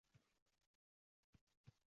Uyatdan chinqirib yubordi Quyosh.